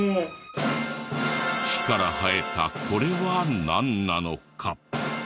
木から生えたこれはなんなのか？